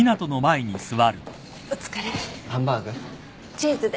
チーズで。